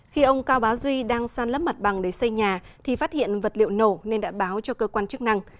khi ông cao bá duy đang san lấp mặt bằng để xây nhà thì phát hiện vật liệu nổ nên đã báo cho cơ quan chức năng